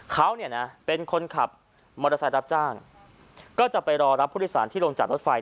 เขาเนี่ยนะเป็นคนขับมอเตอร์ไซค์รับจ้างก็จะไปรอรับผู้โดยสารที่ลงจากรถไฟ